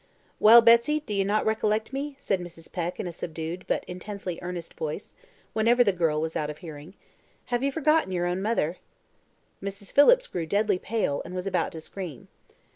"Well, Betsy, do you not recollect me?" said Mrs. Peck, in a subdued but intensely earnest voice, whenever the girl was out of hearing. "Have you forgotten your own mother?" Mrs. Phillips grew deadly pale, and was about to scream.